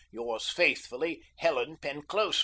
"Yours faithfully; "HELEN PENCLOSA.